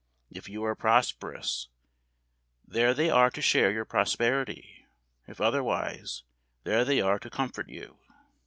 If you are prosperous, there they are to share your prosperity; if otherwise, there they are to comfort you."